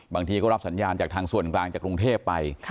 บางทีก็รับสัญญาณจากทางส่วนกลางจากกรุงเทพไป